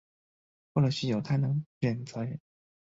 过了许久她能忍则忍